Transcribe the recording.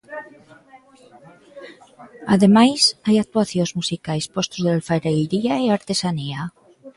Ademais, hai actuacións musicais, postos de alfareiría e artesanía.